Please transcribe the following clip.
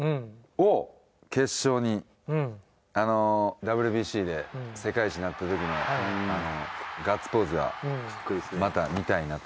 ＷＢＣで世界一になった時のあのガッツポーズがまた見たいなと。